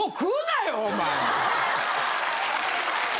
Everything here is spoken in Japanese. お前。